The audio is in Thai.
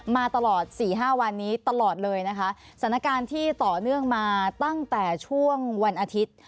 มาตลอดสี่ห้าวันนี้ตลอดเลยนะคะสถานการณ์ที่ต่อเนื่องมาตั้งแต่ช่วงวันอาทิตย์